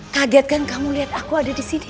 kaget kan kamu lihat aku ada di sini